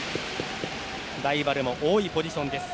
ライバルも多いポジションです。